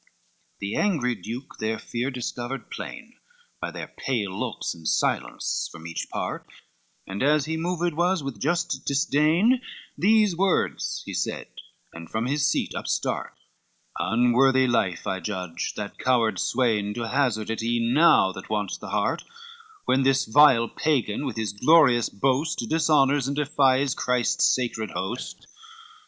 LX The angry duke their fear discovered plain, By their pale looks and silence from each part, And as he moved was with just disdain, These words he said, and from his seat upstart: "Unworthy life I judge that coward swain To hazard it even now that wants the heart, When this vile Pagan with his glorious boast Dishonors and defies Christ's sacred host.